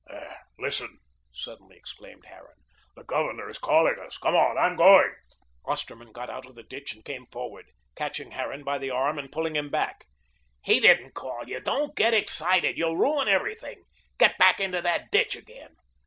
"There listen," suddenly exclaimed Harran. "The Governor is calling us. Come on; I'm going." Osterman got out of the ditch and came forward, catching Harran by the arm and pulling him back. "He didn't call. Don't get excited. You'll ruin everything. Get back into the ditch again."